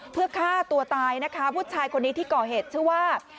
เพื่อฆ่าตัวตายนะคะผู้ชายคนนี้ที่ก่อเหตุชื่อว่า